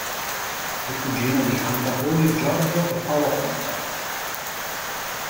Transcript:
È cugino dei cantautori Giorgio e Paolo Conte.